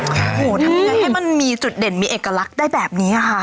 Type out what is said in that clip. โอ้โหทำยังไงให้มันมีจุดเด่นมีเอกลักษณ์ได้แบบนี้ค่ะ